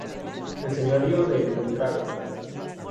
El señorío de Buitrago.